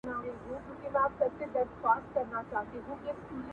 برايي مي خوب لیدلی څوک په غوږ کي راته وايي!